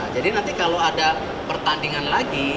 jadi nanti kalau ada pertandingan lagi